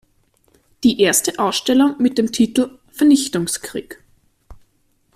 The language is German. Die erste Ausstellung mit dem Titel „Vernichtungskrieg.